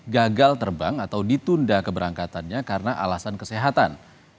gagal terbang atau ditunda keberangkatannya karena alasan kesehatan